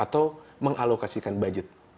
atau mengalokasikan budget